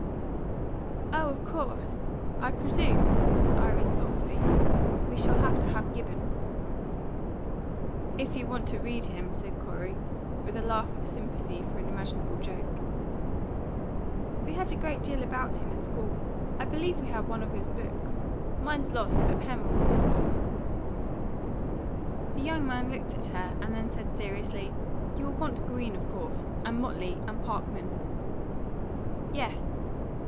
"Oh, of course! I presume," said Irene, thoughtfully, "we shall have to have Gibbon." "If you want to read him," said Corey, with a laugh of sympathy for an imaginable joke. "We had a great deal about him at school. I believe we had one of his books. Mine's lost, but Pen will remember." The young man looked at her, and then said, seriously, "You'll want Greene, of course, and Motley, and Parkman." "Yes.